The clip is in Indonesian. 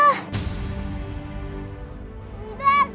nggak kenzo gak mau pergi